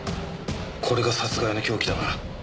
これが殺害の凶器だな。